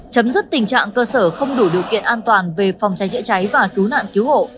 chấm dứt tình trạng cơ sở không đủ điều kiện an toàn về phòng cháy chữa cháy và cứu nạn cứu hộ